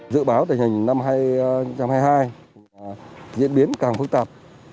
dự báo tình hình năm hai nghìn hai mươi hai diễn biến càng phức tạp